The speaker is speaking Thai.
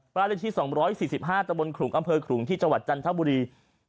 ประวัติฐีสองร้อยสี่สิบห้าตะบลขลุงอำเภอขลุงที่จังหวัดจันทร์ท่าบุรี